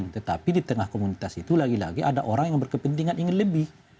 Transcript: tetapi di tengah komunitas itu lagi lagi ada orang yang berkepentingan ingin lebih